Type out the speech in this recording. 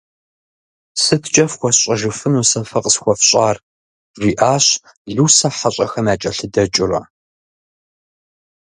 «Сыткӏэ фхуэсщӏэжыфыну, сэ фэ къысхуэфщӏар?» жиӏащ Лусэ, хьэщӏэхэм якӏэлъыдэкӏыурэ.